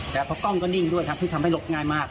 แต่เพราะกล้องก็นิ่งด้วยครับที่ทำให้ลบง่ายมาก